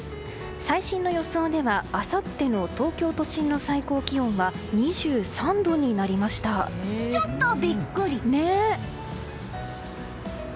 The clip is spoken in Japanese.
最新の予想ではあさっての東京都心の最高気温はちょっとビックリ。